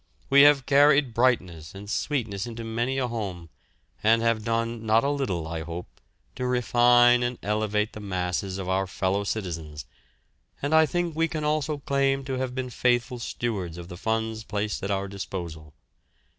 We have carried brightness and sweetness into many a home, and have done not a little, I hope, to refine and elevate the masses of our fellow citizens, and I think we can also claim to have been faithful stewards of the funds placed at our disposal.